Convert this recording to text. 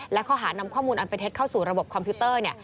และข้อหานำข้อมูลอันเป็นเท็จเข้าสู่ระบบคอมพิวเตอร์